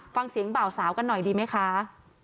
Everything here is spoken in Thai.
ฟังเสียงบ่าวสาวกันหน่อยดีไหมคะ